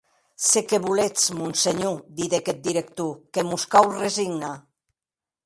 Se qué voletz, monsenhor!, didec eth director, que mos cau resignar.